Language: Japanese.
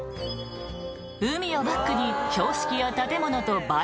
海をバックに標識や建物と映え